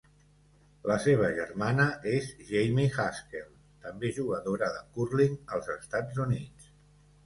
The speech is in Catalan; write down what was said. La seva germana és Jamie Haskell, també jugadora de cúrling als Estats Units.